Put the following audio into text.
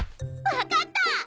分かった！